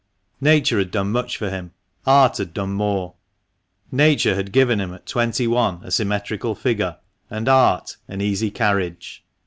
Nature had done much for him, art had done more. Nature had given him at twenty one a symmetrical figure, and art an easy carriage.